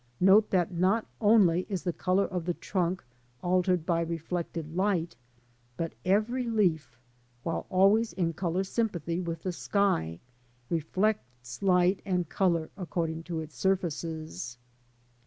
Note that not only is the colour of the trunk altered by reflected light, but every leaf, while always in colour in sympathy with the sky, reflects light and colour according to its surfaces.